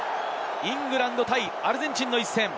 イングランド対アルゼンチンの一戦。